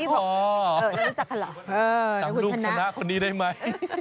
ทำลุชนะคนนี้ได้ไหม